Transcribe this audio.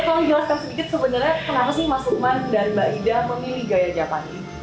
boleh kamu jelaskan sedikit sebenarnya kenapa sih mas lukman dan mbak ida memilih gaya japandi